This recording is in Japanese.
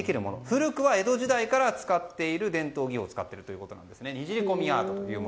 古くは江戸時代から使っている伝統技法を使っているということなんですね。